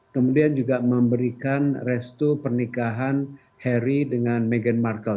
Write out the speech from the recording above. kemudian juga memberikan restu pernikahan harry dengan meghan markle